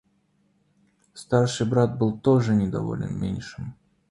Старший брат был тоже недоволен меньшим.